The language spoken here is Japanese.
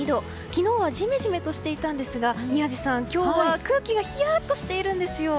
昨日はジメジメとしていたんですが宮司さん、今日は空気がヒヤッとしているんですよ。